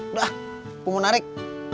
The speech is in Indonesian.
udah gue mau narik